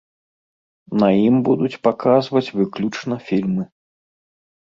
На ім будуць паказваць выключна фільмы.